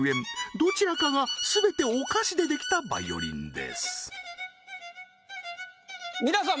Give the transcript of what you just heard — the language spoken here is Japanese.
どちらかが全てお菓子でできたバイオリンです皆さん